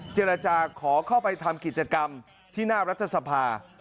เจรจาขอเข้าไปทำกิจกรรมที่หน้ารัฐสภา